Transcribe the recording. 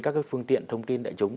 các cái phương tiện thông tin đại chúng